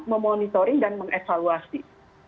memonitoring dan mengevaluasi